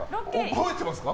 覚えてますか？